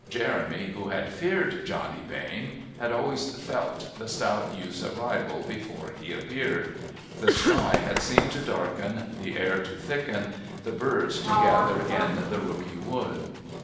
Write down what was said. Jeremy, who had feared Johnny Bain, had always "felt" the stout youth's arrival before he appeared. The sky had seemed to darken, the air to thicken, the birds to gather in the "rooky" wood.